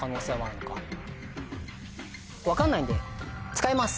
分かんないんで使います。